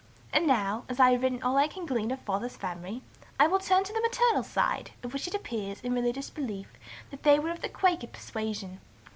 "And now, as I have written all I can glean of Father's family, I will turn to the maternal side, of which it appears, in religious belief, they were of the Quaker persuasion.